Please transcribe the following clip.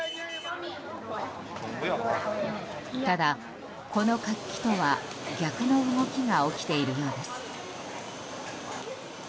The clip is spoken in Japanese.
ただ、この活気とは逆の動きが起きているようです。